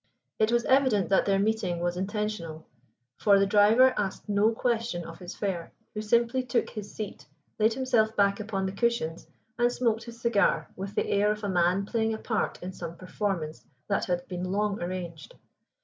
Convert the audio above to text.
It was evident that their meeting was intentional, for the driver asked no question of his fare, who simply took his seat, laid himself back upon the cushions, and smoked his cigar with the air of a man playing a part in some performance that had been long arranged.